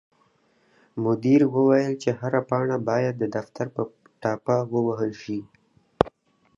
مدیر وویل چې هره پاڼه باید د دفتر په ټاپه ووهل شي.